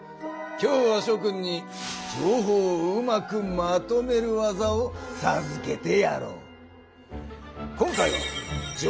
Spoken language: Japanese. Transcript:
今日はしょ君に情報をうまくまとめる技をさずけてやろう。